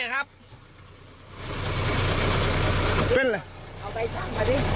เอาใบชั่งมาสิ